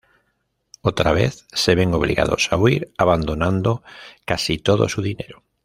Otra vez se ven obligados a huir, abandonando casi todo su dinero.